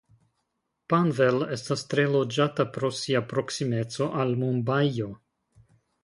Panvel estas tre loĝata pro sia proksimeco al Mumbajo.